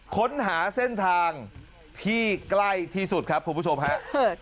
ค้นหาเส้นทางที่ใกล้ที่สุดครับคุณผู้ชมฮะ